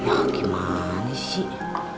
ya gimana sih